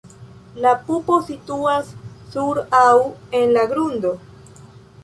La pupo situas sur aŭ en la grundo.